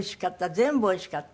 全部おいしかった。